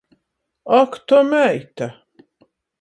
Ak, to meita...